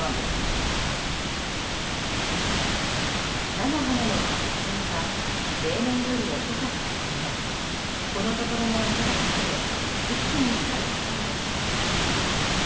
菜の花の咲き始めは例年より遅かったもののこのところの暖かさで一気に咲いたそうです。